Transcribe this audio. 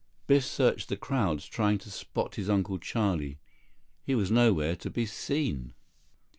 Biff searched the crowds, trying to spot his Uncle Charlie. He was nowhere to be seen.